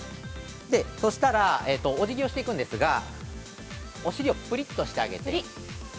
そうしたらおじぎをしていくんですがお尻をぷりっとしてあげて。